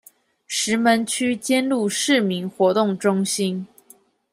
石門區尖鹿市民活動中心